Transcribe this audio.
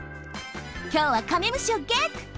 きょうはカメムシをゲット！